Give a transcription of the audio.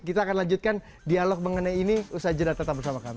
kita akan lanjutkan dialog mengenai ini usaha jeda tetap bersama kami